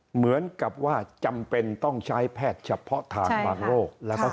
เหมือนกับว่าจำเป็นต้องใช้แพทย์เฉพาะทางบางโรค